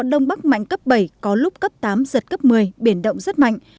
đông bắc mạnh cấp bảy có lúc cấp tám giật cấp một mươi biển động rất mạnh